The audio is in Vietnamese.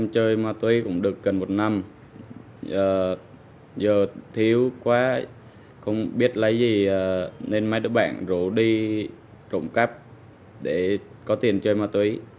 giờ thiếu quá không biết lấy gì nên mấy đứa bạn rủ đi trộm cắp để có tiền chơi ma túy